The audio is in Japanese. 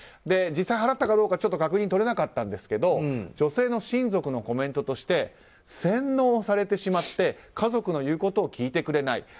実際、払ったかどうか確認がとれなかったんですけど女性の親族のコメントとして洗脳されてしまって家族の言うことを聞いてくれない。